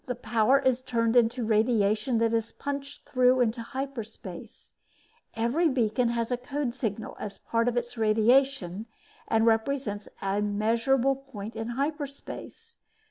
This power is turned into radiation that is punched through into hyperspace. Every beacon has a code signal as part of its radiation and represents a measurable point in hyperspace.